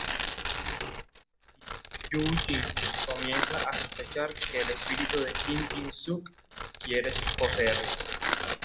Aquí, Yoo-Jin comienza a sospechar que el espíritu de Kim In-Sook quiere poseerla.